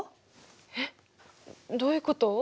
えっどういうこと？